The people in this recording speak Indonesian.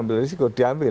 ambil resiko diambil